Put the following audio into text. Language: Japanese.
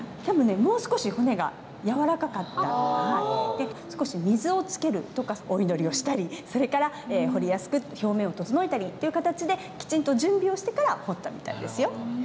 で少し水をつけるとかお祈りをしたりそれから彫りやすく表面を整えたりという形できちんと準備をしてから彫ったみたいですよ。